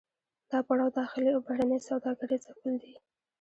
دا پړاو د داخلي او بهرنۍ سوداګرۍ ځپل دي